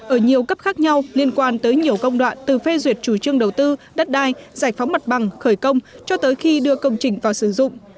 ở nhiều cấp khác nhau liên quan tới nhiều công đoạn từ phê duyệt chủ trương đầu tư đất đai giải phóng mặt bằng khởi công cho tới khi đưa công trình vào sử dụng